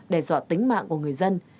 đe dọa tính mạng của người dân